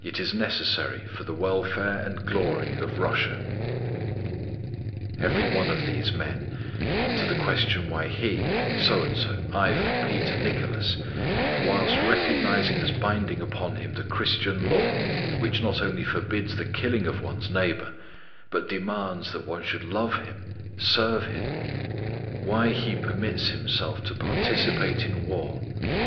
It is necessary for the welfare and glory of Russia. Every one of these men, to the question why he, so and so, Ivan, Peter, Nicholas, whilst recognizing as binding upon him the Christian law which not only forbids the killing of one's neighbor but demands that one should love him, serve him, why he permits himself to participate in war; _i.